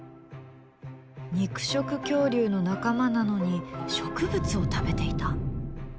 肉食恐竜の仲間なのに植物を食べていた？